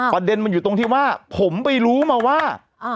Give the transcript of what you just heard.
ประเด็นมันอยู่ตรงที่ว่าผมไปรู้มาว่า